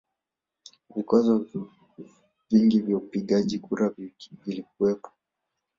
Vikwazo vingi vya upigaji kura vilikuwepo